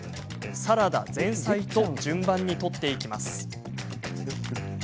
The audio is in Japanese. サラダ、前菜と順番に取っていきます。